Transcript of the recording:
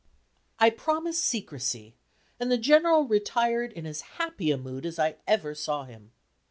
I promised secrecy, and the General retired in as happy a mood as I ever saw him.